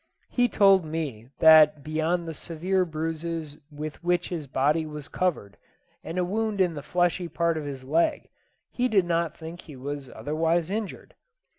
He told me that beyond the severe bruises with which his body was covered, and a wound in the fleshy part of his leg, he did not think he was otherwise injured.